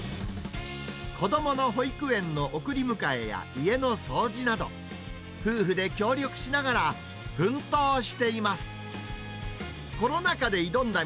子どもの保育園の送り迎えや家の掃除など、夫婦で協力しながら奮闘しています。